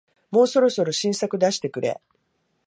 もうそろそろ新作出してくれ